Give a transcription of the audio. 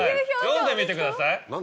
読んでみてください。